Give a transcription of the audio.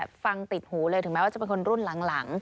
อาจจะเป็นคนนี้